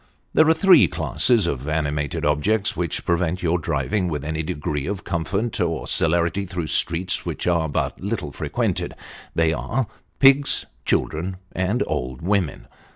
There are three classes of animated objects which prevent your driving with any degree of comfort or celerity through streets which are but little frequented they are pigs, children, and old women.